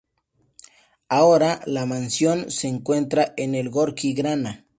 Ahora la "mansión" se encuentra en el Gorki Grana.